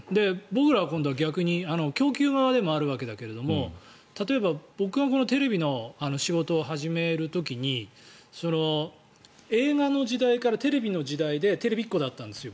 僕らは今度、逆に供給側でもあるわけだけど例えば、僕がこのテレビの仕事を始める時に映画の時代からテレビの時代でテレビっ子だったんですよ